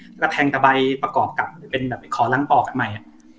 แล้วก็แทงตะไบประกอบเป็นขอล้างปอกใหม่